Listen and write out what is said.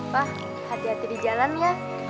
wah hati hati di jalan ya